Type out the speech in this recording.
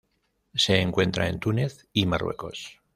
Se encuentra en Túnez y Marruecos.